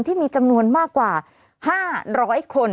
ที่มีจำนวนมากกว่า๕๐๐คน